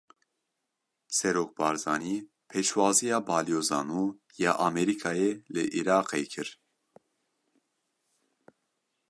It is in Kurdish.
Serok Barzanî pêşwaziya Balyoza nû ya Amerîkayê li Iraqê kir.